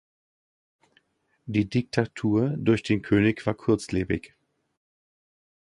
Die Diktatur durch den König war kurzlebig.